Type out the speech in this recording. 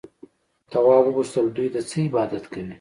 تواب وپوښتل دوی د څه عبادت کوي؟